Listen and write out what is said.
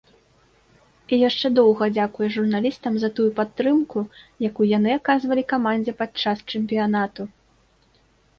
І яшчэ доўга дзякуе журналістам за тую падтрымку, якую яны аказвалі камандзе падчас чэмпіянату.